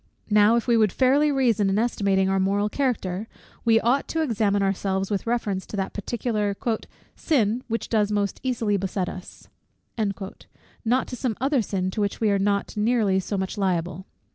Now, if we would reason fairly in estimating our moral character, we ought to examine ourselves with reference to that particular "sin which does most easily beset us," not to some other sin to which we are not nearly so much liable.